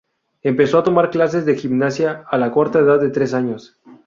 Empezó a tomar clases de gimnasia a la corta edad de tres años.